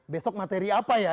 besok materi apa ya